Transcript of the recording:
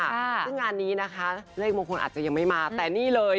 ซึ่งงานนี้นะคะเลขมงคลอาจจะยังไม่มาแต่นี่เลย